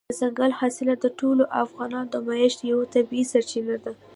دځنګل حاصلات د ټولو افغانانو د معیشت یوه طبیعي سرچینه ده.